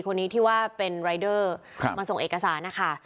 คนนี้ที่ว่าเป็นรายเดอร์มาส่งเอกสารนะคะ